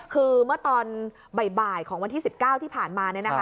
คือเมื่อตอนบ่ายของวันที่๑๙ที่ผ่านมา